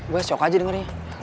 gue shock aja dengernya